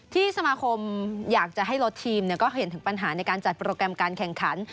สมาคมอยากจะให้ลดทีมก็เห็นถึงปัญหาในการจัดโปรแกรมการแข่งขัน